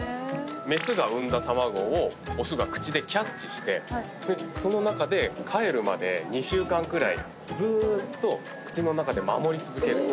メスが産んだ卵をオスが口でキャッチしてその中でかえるまで２週間くらいずーっと口の中で守り続ける。